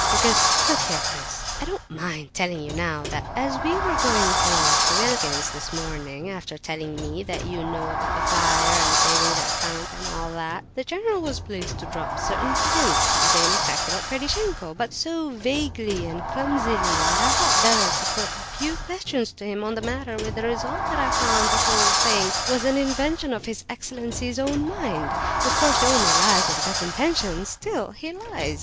"Because look here, prince, I don't mind telling you now that as we were going along to Wilkin's this morning, after telling me what you know about the fire, and saving the count and all that, the general was pleased to drop certain hints to the same effect about Ferdishenko, but so vaguely and clumsily that I thought better to put a few questions to him on the matter, with the result that I found the whole thing was an invention of his excellency's own mind. Of course, he only lies with the best intentions; still, he lies.